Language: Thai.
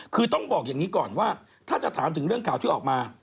คือต้องบอกอย่างนี้ก่อนว่าถ้าจะถามถึงเรื่องข่าวที่ออกมา